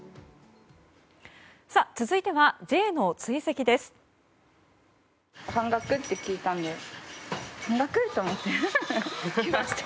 続いてはＪの追跡です。